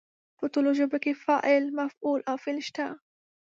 په ټولو ژبو کې فاعل، مفعول او فعل شته.